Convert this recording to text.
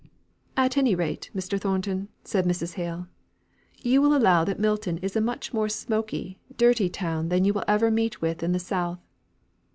"At any rate, Mr. Thornton," said Mrs. Hale, "you will allow that Milton is a much more smoky, dirty town than you will ever meet with in the South."